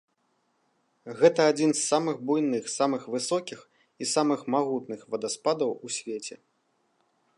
Гэта адзін з самых буйных, самых высокіх і самым магутных вадаспадаў у свеце.